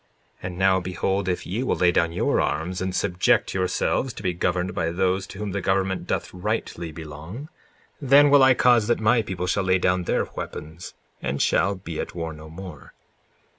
54:18 And now behold, if ye will lay down your arms, and subject yourselves to be governed by those to whom the government doth rightly belong, then will I cause that my people shall lay down their weapons and shall be at war no more.